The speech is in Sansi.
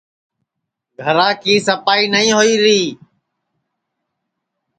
گھرا کی سپائی نائی ہوئی ری